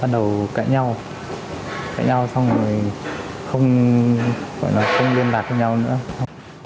đầu cãi nhau cãi nhau xong rồi không gọi là không liên lạc với nhau nữa